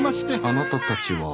あなたたちは。